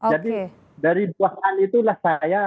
jadi dari buah hal itulah saya merasa terpanggil